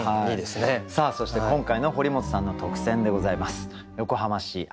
さあそして今回の堀本さんの特選でございます。